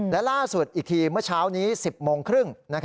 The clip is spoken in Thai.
และล่าสุดอีกทีเมื่อเช้านี้๑๐โมงครึ่ง